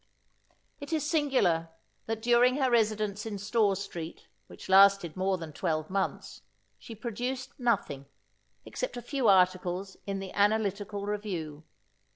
It is singular, that during her residence in Store street, which lasted more than twelve months, she produced nothing, except a few articles in the Analytical Review.